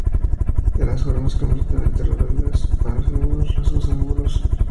De las formas completamente redondeadas se pasa a algunos rasgos angulosos.